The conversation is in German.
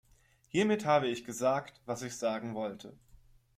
Hiermit habe ich gesagt, was ich sagen wollte.